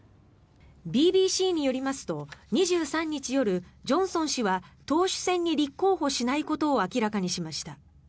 ＢＢＣによりますと２３日夜、ジョンソン氏は党首選に立候補しないことを明らかにしました。